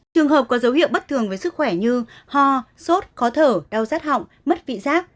trường hợp có dấu hiệu bất thường với sức khỏe như ho sốt khó thở đau rát họng mất vị giác